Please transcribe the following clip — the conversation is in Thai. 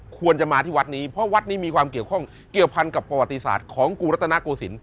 ควรจะมาที่วัดนี้เพราะวัดนี้มีความเกี่ยวข้องเกี่ยวพันกับประวัติศาสตร์ของกรุงรัตนโกศิลป